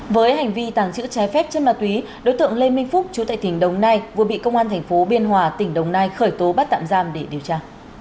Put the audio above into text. với hành vi tàng trữ trái phép chất ma túy đối tượng lê minh phúc chú tại tỉnh đồng nai vừa bị công an thành phố biên hòa tỉnh đồng nai khởi tố bắt tạm giam để điều tra